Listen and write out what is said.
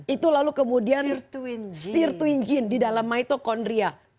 itu lalu kemudian sear twin gene di dalam mitochondria